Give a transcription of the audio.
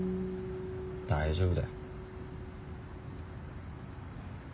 大丈夫だよ。